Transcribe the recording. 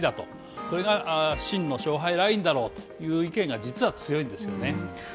それが真の勝敗ラインだろうという意見が実は強いんですよね。